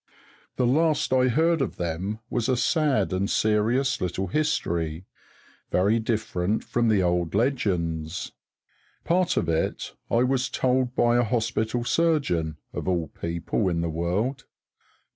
The last I heard of them was a sad and serious little history, very different from the old legends. Part of it I was told by a hospital surgeon, of all people in the world.